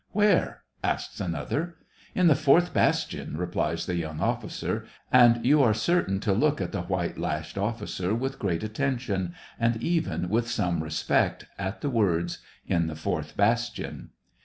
" Where }" asks another. " In the fourth bastion," replies the young offi cer, and you are certain to look at the white lashed officer with great attention, and even with some 20 SEVASTOPOL IN DECEMBER. respect, at the words, "in the fourth bastion."